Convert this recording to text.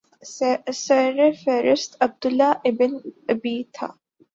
سر فہرست عبداللہ ابن ابی تھا